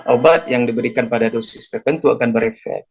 obat yang diberikan pada dosis tertentu akan berefek